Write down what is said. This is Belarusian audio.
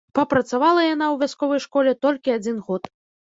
Прапрацавала яна ў вясковай школе толькі адзін год.